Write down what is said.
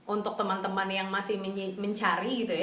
untuk teman teman yang masih mencari gitu ya